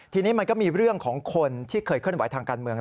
ทีนี้มันก็มีเรื่องของคนที่เคยเคลื่อนไหวทางการเมือง